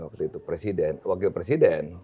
waktu itu presiden wakil presiden